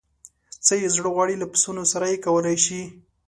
څه یې زړه غواړي له پسونو سره یې کولای شي.